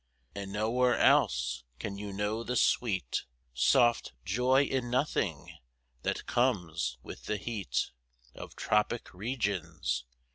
And nowhere else can you know the sweet Soft, 'joy in nothing,' that comes with the heat Of tropic regions.